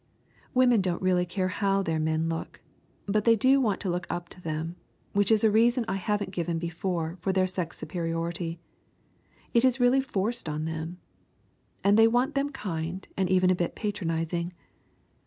Women don't really care how their men look. But they want to look up to them which is a reason I haven't given before for their sex superiority. It is really forced on them! And they want them kind and even a bit patronizing.